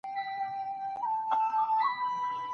باور په ځان باندي یوه شتمني ده.